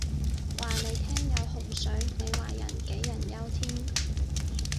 話你聽有洪水，你話人杞人憂天